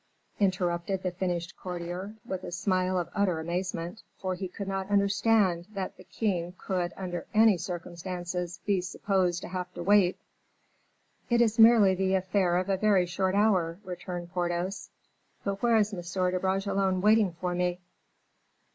interrupted the finished courtier, with a smile of utter amazement, for he could not understand that the king could under any circumstances be supposed to have to wait. "It is merely the affair of a very short hour," returned Porthos. "But where is M. de Bragelonne waiting for me?"